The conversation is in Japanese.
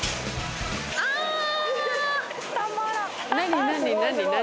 何何何何？